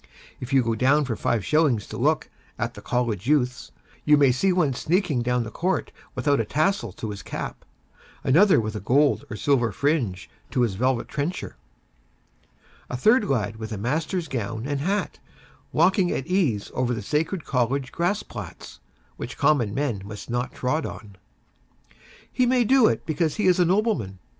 If you go down for five shillings to look at the 'College Youths,' you may see one sneaking down the court without a tassel to his cap; another with a gold or silver fringe to his velvet trencher; a third lad with a master's gown and hat, walking at ease over the sacred College grass plats, which common men must not tread on. He may do it because he is a nobleman.